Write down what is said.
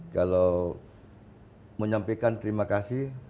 kalau menyampaikan terima kasih